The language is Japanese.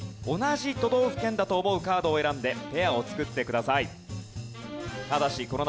同じ都道府県だと思うカードを選んでペアを作ってください。